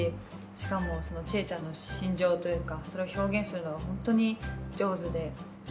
しかも知恵ちゃんの心情というかそれを表現するのがホントに上手で。